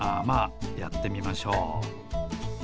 まあやってみましょう。